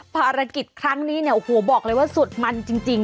ภารกิจครั้งนี้เนี่ยโอ้โหบอกเลยว่าสุดมันจริง